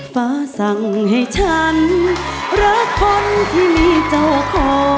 ฟ้าสั่งให้ฉันรักคนที่มีเจ้าขอ